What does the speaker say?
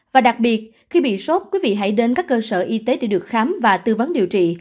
và đặc biệt khi bị sốt quý vị hãy đến các cơ sở y tế để được khám và tư vấn điều trị